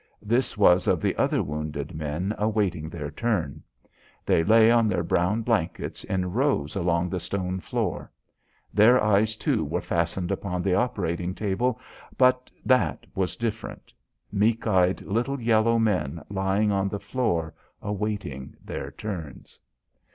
This was of the other wounded men awaiting their turn. They lay on their brown blankets in rows along the stone floor. Their eyes, too, were fastened upon the operating table, but that was different. Meek eyed little yellow men lying on the floor awaiting their turns.